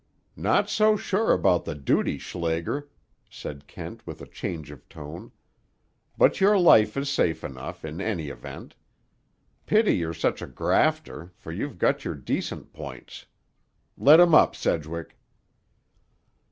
"Not so sure about the duty, Schlager," said Kent with a change of tone. "But your life is safe enough, in any event. Pity you're such a grafter, for you've got your decent points. Let him up, Sedgwick."